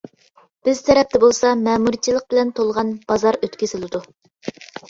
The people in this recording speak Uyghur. بىر تەرەپتە بولسا مەمۇرچىلىق بىلەن تولغان بازار ئۆتكۈزۈلىدۇ.